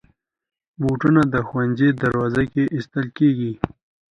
بوټونه د ښوونځي دروازې کې ایستل کېږي.